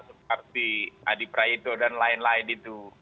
seperti adi prayitno dan lain lain itu